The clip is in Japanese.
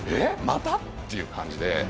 また？っていう感じで。